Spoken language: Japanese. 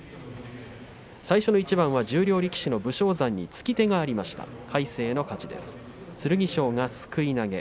最初の一番は十両力士の武将山につき手がありました。